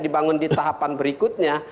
dibangun di tahapan berikutnya